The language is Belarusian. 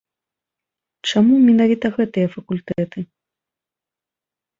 Чаму менавіта гэтыя факультэты?